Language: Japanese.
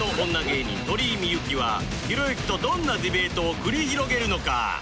芸人鳥居みゆきはひろゆきとどんなディベートを繰り広げるのか？